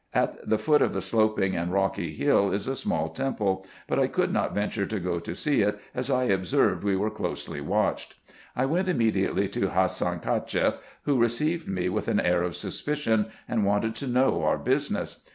At the foot of the sloping and rocky hill is a small temple ; but I could not venture to go to see it, as I observed we were closely watched. I went immediately to Hassan Cacheff, who received me with an air of suspicion, and wanted to know our business.